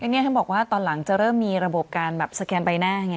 นี่ท่านบอกว่าตอนหลังจะเริ่มมีระบบการแบบสแกนใบหน้าไง